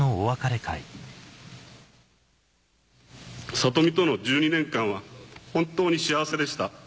怜美との１２年間は本当に幸せでした。